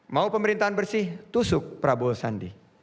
mau pemerintahan bersih tusuk prabowo sandi